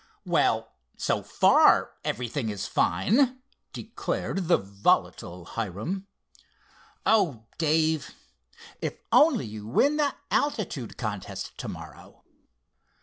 "Well, so far—everything is fine!" declared the volatile Hiram. "Oh, Dave, if you only win the altitude contest to morrow!"